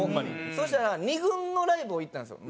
そしたら２軍のライブを行ったんですよ。